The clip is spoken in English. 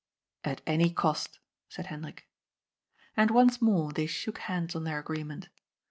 " At any cost," said Hendrik. And once more they shook hands on their agreement.